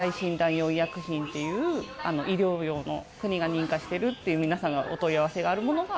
体外診断用医薬品という、医療用の、国が認可してるって皆さんがお問い合わせがあるものが。